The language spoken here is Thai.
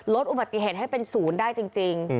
ลดอุบัติเหตุให้เป็นศูนย์ได้จริง